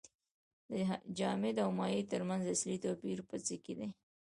د جامد او مایع ترمنځ اصلي توپیر په څه کې دی